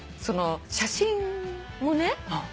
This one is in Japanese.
写真もね